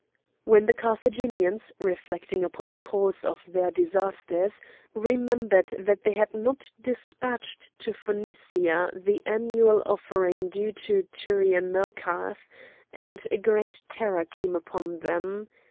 Then the Carthaginians, reflecting upon the cause of their disasters, remembered that they had not dispatched to Phonicia the annual offering due to Tyrian Melkarth, and a great terror came upon them.